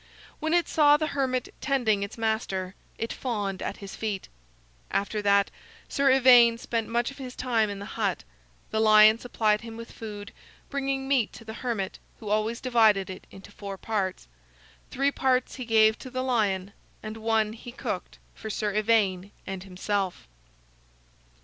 When it saw the hermit tending its master, it fawned at his feet. After that Sir Ivaine spent much of his time in the hut. The lion supplied him with food, bringing meat to the hermit, who always divided it into four parts: three parts he gave to the lion, and one he cooked for Sir Ivaine and himself.